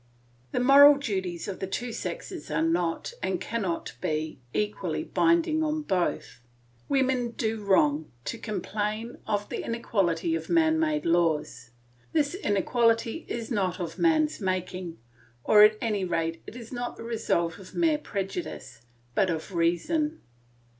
The mutual duties of the two sexes are not, and cannot be, equally binding on both. Women do wrong to complain of the inequality of man made laws; this inequality is not of man's making, or at any rate it is not the result of mere prejudice, but of reason.